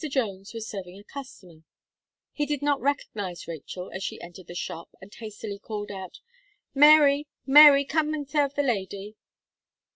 Jones was serving a customer. He did not recognize Rachel as she entered the shop, and hastily called out: "Mary Mary come and serve the lady."